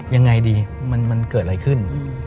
ยังไงดีมันเกิดอะไรขึ้น